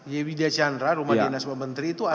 yewidah chandra rumah dinas pembetri itu ada mobil